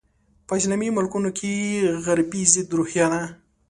په اسلامي ملکونو کې غربي ضد روحیه ده.